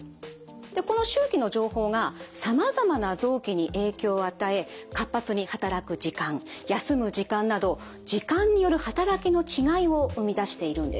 でこの周期の情報がさまざまな臓器に影響を与え活発に働く時間休む時間など時間による働きの違いを生み出しているんです。